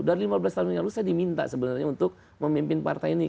dari lima belas tahun yang lalu saya diminta sebenarnya untuk memimpin partai ini